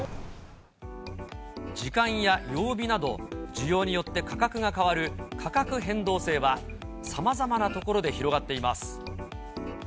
時間や曜日など、需要によって価格が変わる価格変動制は、さまざまなところで広がっています。